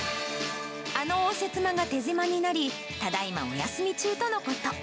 あの応接間が手狭になり、ただいまお休み中とのこと。